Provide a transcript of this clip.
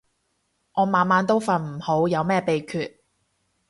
我晚晚都瞓唔好，有咩秘訣